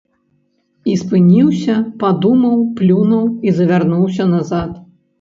І спыніўся, падумаў, плюнуў і завярнуўся назад.